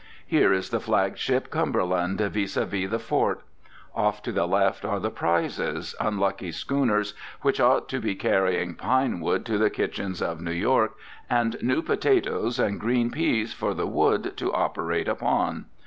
Here is the flag ship "Cumberland" vis à vis the fort. Off to the left are the prizes, unlucky schooners, which ought to be carrying pine wood to the kitchens of New York, and new potatoes and green peas for the wood to operate upon.